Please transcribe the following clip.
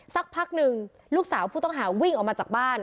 สักพักหนึ่งลูกสาวผู้ต้องหาวิ่งออกมาจากบ้าน